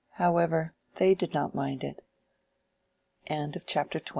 However, they did not mind it. CHAPTER XXV.